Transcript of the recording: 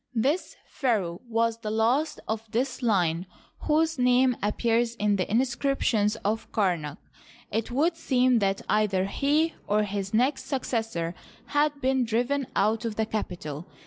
This pharaoh was the last of this line whose name appears in the mscriptions of Kamak. It would seem that either he or his next successor had been driven out of the capital.